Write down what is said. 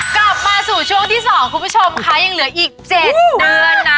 กลับมาสู่ช่วงที่๒คุณผู้ชมค่ะยังเหลืออีก๗เดือนนะ